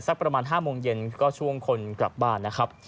ประมาณ๕โมงเย็นก็ช่วงคนกลับบ้านนะครับ